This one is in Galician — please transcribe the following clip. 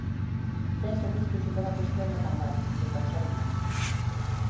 Penso que isto supera a cuestión da maldade, de causar un mal.